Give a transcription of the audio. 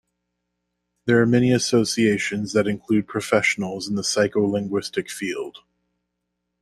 There are many associations that include professionals in the psycholinguist field.